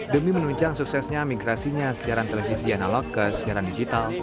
demi menunjang suksesnya migrasinya siaran televisi analog ke siaran digital